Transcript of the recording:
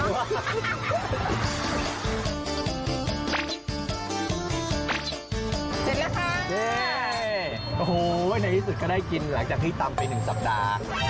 เสร็จแล้วค่ะนี่โอ้โหในที่สุดก็ได้กินหลังจากที่ตำไป๑สัปดาห์